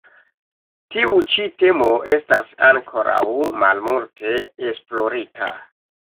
Tiu ĉi temo estas ankoraŭ malmulte esplorita.